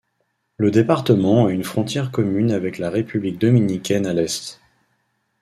Le département a une frontière commune avec la République dominicaine à l'est.